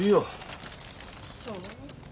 そう？